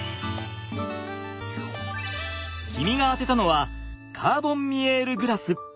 君が当てたのはカーボン・ミエール・グラス！